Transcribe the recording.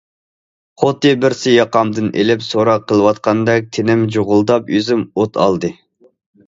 خۇددى بىرسى ياقامدىن ئېلىپ سوراق قىلىۋاتقاندەك تېنىم جۇغۇلداپ، يۈزۈم ئوت ئالدى.